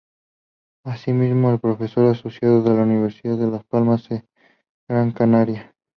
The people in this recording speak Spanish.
Asimismo, es profesor asociado de la Universidad de Las Palmas de Gran Canaria.